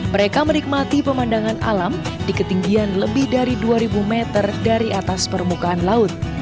mereka menikmati pemandangan alam di ketinggian lebih dari dua ribu meter dari atas permukaan laut